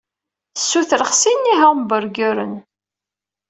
Ssutreɣ sin n yihamburgren.